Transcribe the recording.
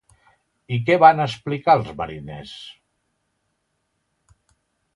I què van explicar els mariners?